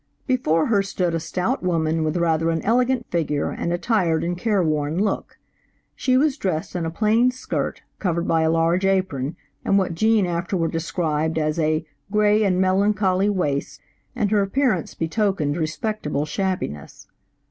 Before her stood a stout woman with rather an elegant figure and a tired and careworn look. She was dressed in a plain skirt covered by a large apron, and what Gene afterward described as a "grey and melancholy waist" and her appearance betokened respectable shabbiness.